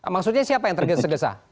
maksudnya siapa yang tergesa gesa